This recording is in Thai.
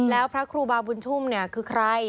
แล้วพระครูบาบุญชุมคือใคร